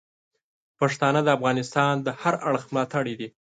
پښتانه د افغانستان د هر اړخ ملاتړي دي.